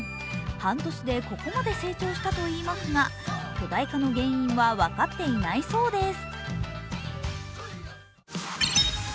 半年でここまで成長したといいますが巨大化の原因は分かっていないそうです。